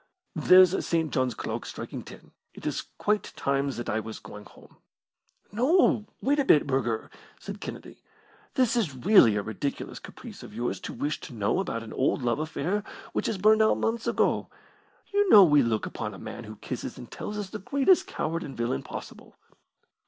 There's St. John's clock striking ten. It is quite time that I was going home." "No, wait a bit, Burger," said Kennedy; "this is really a ridiculous caprice of yours to wish to know about an old love affair which has burned out months ago. You know we look upon a man who kisses and tells as the greatest coward and villain possible."